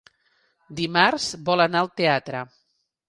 Dimarts vol anar al teatre.